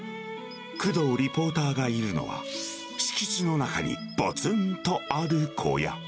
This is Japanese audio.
工藤リポーターがいるのは、敷地の中にぽつんとある小屋。